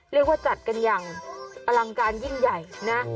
เรียกว่าจัดกันอย่างอลังการยิ่งใหญ่นะ